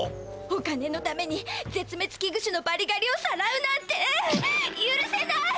お金のためにぜつめつきぐしゅのバリガリをさらうなんてゆるせない！